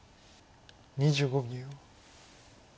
２５秒。